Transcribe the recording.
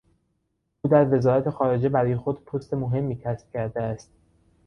او در وزارت خارجه برای خود پست مهمی کسب کرده است.